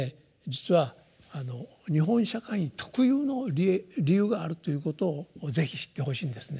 実は日本社会特有の理由があるということを是非知ってほしいんですね。